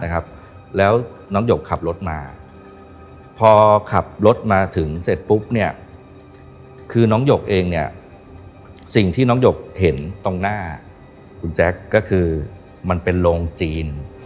เห็นตรงหน้าคุณแจ๊คก็คือมันเป็นโรงจีน